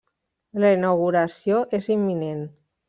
La inauguració és imminent.